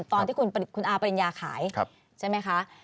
ตอนที่คุณอาปริญญาขายใช่ไหมคะ